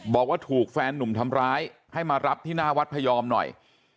บอกว่าถูกแฟนหนุ่มทำร้ายให้มารับที่หน้าวัดพยอมหน่อย